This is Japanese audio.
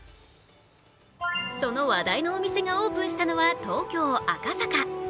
その話題のお店がオープンしたのは東京・赤坂。